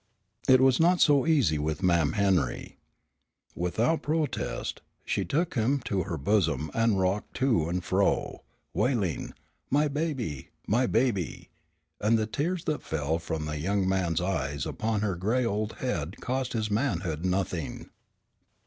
It was not so easy with Mam' Henry. Without protest, she took him to her bosom and rocked to and fro, wailing "My baby! my baby!" and the tears that fell from the young man's eyes upon her grey old head cost his manhood nothing.